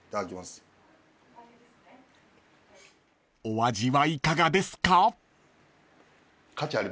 ［お味はいかがですか？］